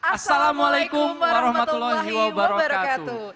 assalamualaikum warahmatullahi wabarakatuh